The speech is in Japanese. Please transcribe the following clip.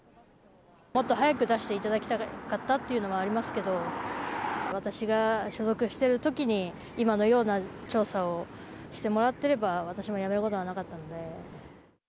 もっと早く出していただきたかったっていうのはありますけど、私が所属しているときに、今のような調査をしてもらってれば、私も辞めることはなかったので。